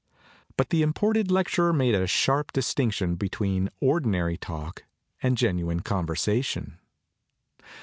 But the imported lecturer made a sharp dis tinction between ordinary talk and genuine conversation.